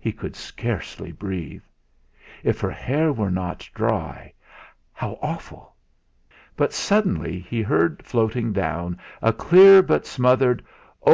He could scarcely breathe. If her hair were not dry how awful! Suddenly he heard floating down a clear but smothered "Oh!